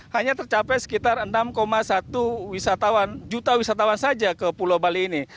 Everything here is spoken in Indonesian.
hanya tercapai sekitar enam satu juta wisatawan saja ke pulau bali ini